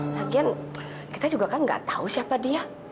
bagian kita juga kan nggak tahu siapa dia